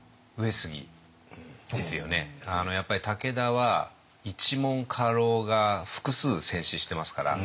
やっぱり武田は一門家老が複数戦死してますから。